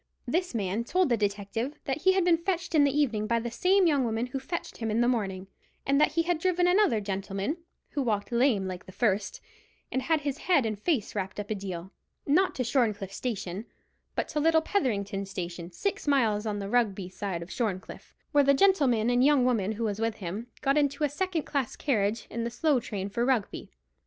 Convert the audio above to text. This man told the detective that he had been fetched in the evening by the same young woman who fetched him in the morning, and that he had driven another gentleman, who walked lame like the first, and had his head and face wrapped up a deal, not to Shorncliffe station, but to little Petherington station, six miles on the Rugby side of Shorncliffe, where the gentleman and the young woman who was with him got into a second class carriage in the slow train for Rugby.